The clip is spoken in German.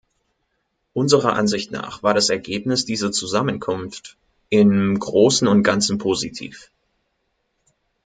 Unserer Ansicht nach war das Ergebnis dieser Zusammenkunft im Großen und Ganzen positiv.